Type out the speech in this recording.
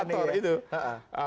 itu semua yang diperhatikan